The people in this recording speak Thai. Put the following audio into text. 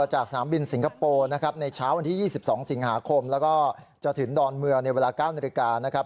๑หาคมแล้วก็จะถึงดอนเมืองในเวลา๙นาฬิกานะครับ